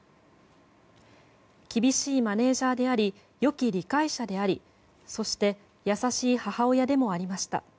厳しいマネジャーでありよき理解者でありそして優しい母親でもありました。